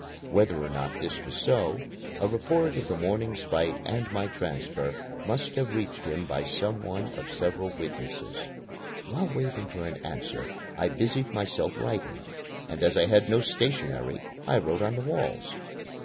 Whether or not this was so, a report of the morning's fight and my transfer must have reached him by some one of several witnesses. While waiting for an answer, I busied myself writing, and as I had no stationery I wrote on the walls.